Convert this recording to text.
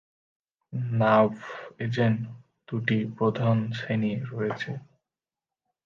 Nerve agent দুটি প্রধান শ্রেণী রয়েছে।